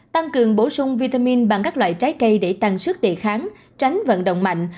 tăng cường bổ sung vitamin bằng các loại trái cây để tăng sức đề kháng tránh vận động mạnh